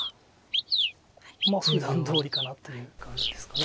ふだんどおりかなという感じですかね。